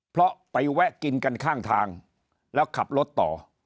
เพราะไปแวะกินกันข้างทางแล้วขับรถต่อ